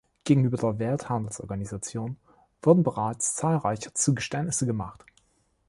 Gegenüber der Welthandelsorganisation wurden bereits zahlreiche Zugeständnisse gemacht.